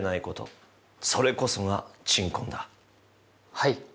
はい。